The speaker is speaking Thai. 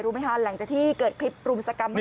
รู้ไหมศหลังที่เกิดคลิปรุงศักรรม